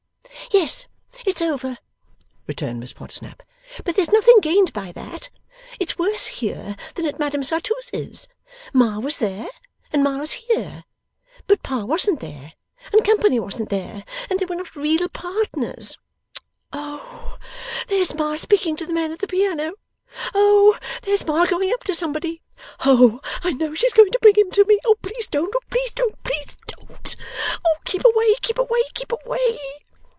'Yes, it's over,' returned Miss Podsnap, 'but there's nothing gained by that. It's worse here, than at Madame Sauteuse's. Ma was there, and Ma's here; but Pa wasn't there, and company wasn't there, and there were not real partners there. Oh there's Ma speaking to the man at the piano! Oh there's Ma going up to somebody! Oh I know she's going to bring him to me! Oh please don't, please don't, please don't! Oh keep away, keep away, keep away!